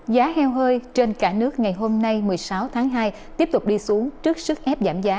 giá heo hơi trên cả nước ngày hôm nay một mươi sáu tháng hai tiếp tục đi xuống trước sức ép giảm giá